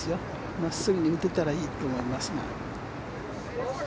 真っすぐに打てたらいいと思いますが。